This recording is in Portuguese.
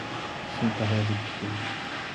Santa Rosa do Sul